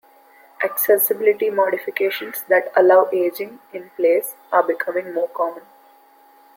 Accessibility modifications that allow ageing in place are becoming more common.